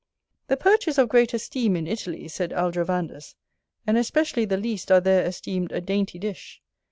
The Perch is of great esteem in Italy, saith Aldrovandus: and especially the least are there esteemed a dainty dish.